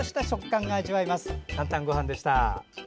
「かんたんごはん」でした。